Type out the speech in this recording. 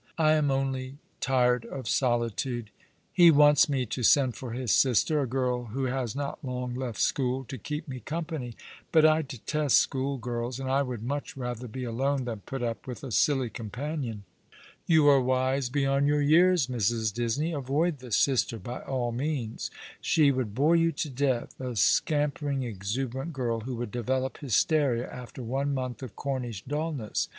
I am only tired of solitude. He wants me to send for his sister — a girl who has not long left school — to keep me company ; but I detest school girls, and I would much rather be alone than put up with a silly companion." "You are wise beyond your years, Mrs. Disney. Avoid the sister, by all means. She would bore you to death — a scampering, exuberant girl, who would develop hysteria ^^ The Rain set early in To night,'' 15 after one month of Cornish dulnesg.